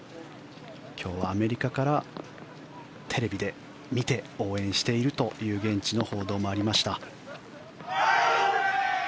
今日はアメリカからテレビで見て応援しているという現地の報道もありました。